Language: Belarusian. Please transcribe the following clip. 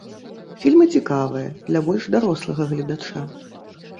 Фільмы цікавыя, для больш дарослага гледача.